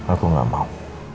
aku gak mau